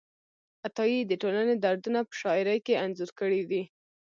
عطایي د ټولنې دردونه په شاعرۍ کې انځور کړي دي.